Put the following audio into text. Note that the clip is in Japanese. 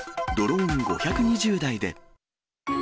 ドローン５２０台で。